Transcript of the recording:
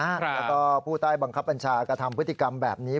แล้วก็ผู้ใต้บังคับบัญชากระทำพฤติกรรมแบบนี้